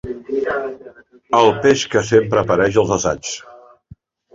El peix que sempre apareix als assaigs.